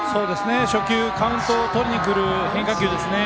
初球、カウントをとりにくる変化球ですね。